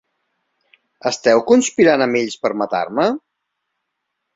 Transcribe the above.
Esteu conspirant amb ells per matar-me?